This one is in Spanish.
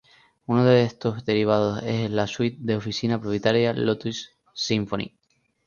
Uno de estos derivados es la suite de oficina propietaria Lotus Symphony.